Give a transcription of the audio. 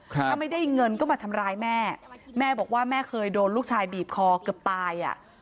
ถ้าไม่ได้เงินก็มาทำร้ายแม่แม่บอกว่าแม่เคยโดนลูกชายบีบคอเกือบตายอ่ะ